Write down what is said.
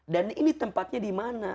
dan ini tempatnya dimana